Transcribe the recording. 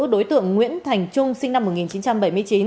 đối tượng nguyễn thành trung sinh năm một nghìn chín trăm bảy mươi chín